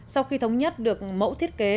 sau khi thống nhất được mẫu thiết kế